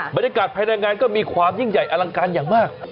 บรรยากาศภายในงานก็มีความยิ่งใหญ่อลังการอย่างมาก